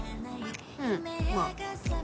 うんまぁ。